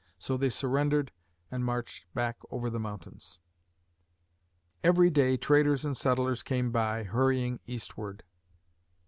So they surrendered and marched back over the mountains. Every day traders and settlers came by, hurrying eastward.